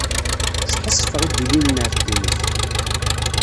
Sḥassfeɣ i d-ilulen ɣer ddunit.